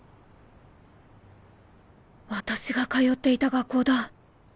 私が通っていた学校だ